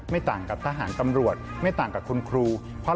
ต่างกับทหารตำรวจไม่ต่างกับคุณครู